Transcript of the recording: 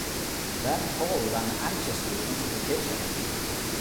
Then Paul ran anxiously into the kitchen.